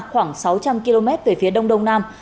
khoảng sáu trăm linh km về phía đông đông nam